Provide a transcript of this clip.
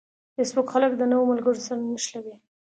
فېسبوک خلک د نوو ملګرو سره نښلوي